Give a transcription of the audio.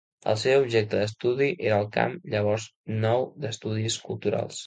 El seu objecte d'estudi era el camp llavors nou d'estudis culturals.